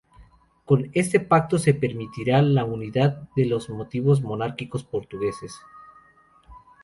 Con este pacto se permitía la unidad de los movimientos monárquicos portugueses.